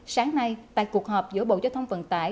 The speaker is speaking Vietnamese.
sáng nay tại cuộc họp giữa bộ giao thông vận tải